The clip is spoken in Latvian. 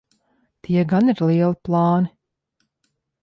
Tie gan ir lieli plāni.